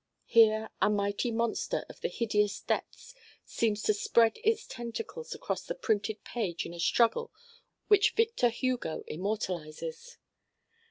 Here a mighty monster of the hideous depths seems to spread its tentacles across the printed page in a struggle which Victor Hugo immortalizes.